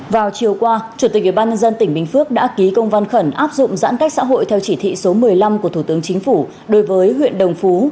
vào chiều qua chủ tịch ủy ban nhân dân tỉnh bình phước đã ký công văn khẩn áp dụng giãn cách xã hội theo chỉ thị số một mươi năm của thủ tướng chính phủ đối với huyện đồng phú